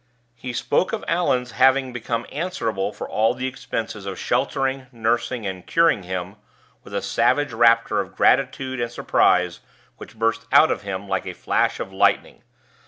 He spoke of Allan's having become answerable for all the expenses of sheltering, nursing, and curing him, with a savage rapture of gratitude and surprise which burst out of him like a flash of lightning.